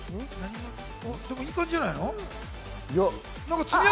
いい感じじゃないの？